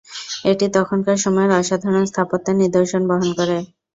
এটি তখনকার সময়ের অসাধারণ স্থাপত্যের নিদর্শন বহন করে।